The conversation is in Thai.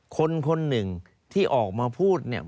คนหนึ่งที่ออกมาพูดเนี่ย